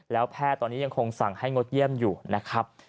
แล้วแพทย์ตอนนี้ยังคงสั่งให้งดเยี่ยมอยู่นะครับ